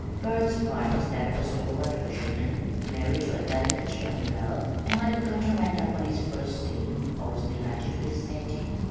Herne's part was that of a stalwart fisherman, married to a delicate young girl, and when the curtain went up on his first scene I was delighted with the setting.